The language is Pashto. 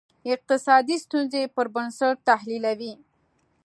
اقتصادي ستونزې پر بنسټ تحلیلوي.